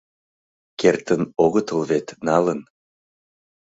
Кертын огытыл вет налын.